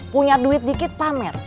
punya duit dikit pamer